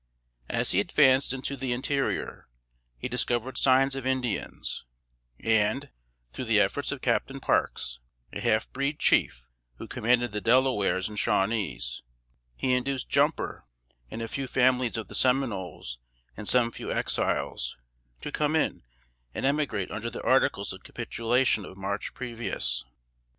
As he advanced into the interior, he discovered signs of Indians; and, through the efforts of Captain Parks, a half breed chief, who commanded the Delawares and Shawnees, he induced Jumper, and a few families of the Seminoles and some few Exiles, to come in and emigrate under the articles of capitulation of March previous.